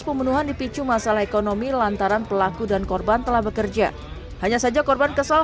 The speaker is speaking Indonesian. pembunuhan dipicu masalah ekonomi lantaran pelaku dan korban telah bekerja hanya saja korban kesal